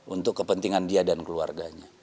untuk kepentingan dia dan keluarganya